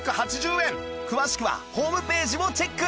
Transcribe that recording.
詳しくはホームページをチェック！